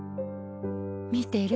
見てる？